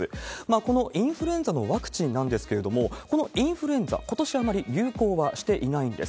このインフルエンザのワクチンなんですけれども、このインフルエンザ、ことしあまり流行はしていないんです。